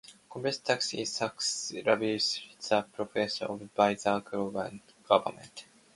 Corporate tax is a tax levied on the profits of corporations by the government.